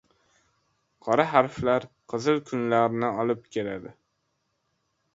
• Qora harflar qizil kunlarni olib keladi.